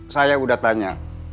saya udah tanya